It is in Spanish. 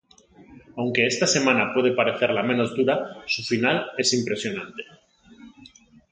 Aunque esta semana puede parecer la menos dura, su final es impresionante.